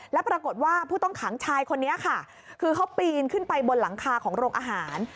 แล้วปรากฏว่าผู้ต้องขังชายคนนี้ค่ะคือเขาปีนขึ้นไปบนหลังคาของโรงอาหาร